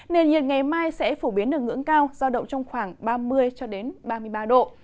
nền nhiệt ngày mai sẽ phổ biến ở ngưỡng cao giao động trong khoảng ba mươi ba mươi ba độ